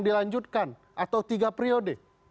dilanjutkan atau tiga periode